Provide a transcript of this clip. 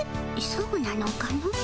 そうなのかの。